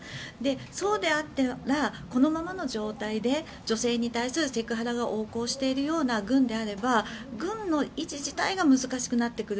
そうであったらこのままの状態で女性に対するセクハラが横行しているような軍であれば軍の維持自体が難しくなってくる。